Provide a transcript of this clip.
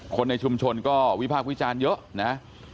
คนในชุมชนก็วิพากษ์วิจารณ์เยอะนะ